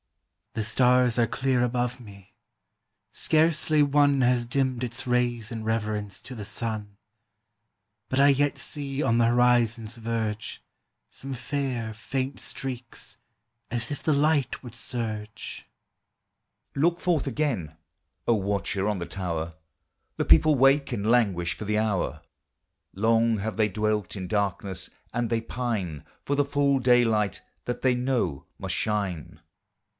"The stars are clear above me; scarcely one Has dimmed its rays in reverence to the sun; But I yet see on the horizon's verge Some fair, faint streaks, as if the light would surge." Look forth again, O watcher on the tower, The people wake and languish for the hour; Long have they dwelt in darkness, and they pine For the full daylight that they know must shine.